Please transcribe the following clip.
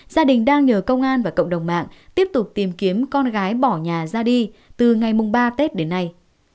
gia đình đang nhờ công an và cộng đồng mạng tiếp tục tìm kiếm con gái bỏ nhà ra đi từ ngày mùng ba tết đến nay